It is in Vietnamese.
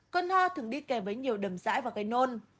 cơn hò thường đi kèm với nhiều đầm rãi và gây nôn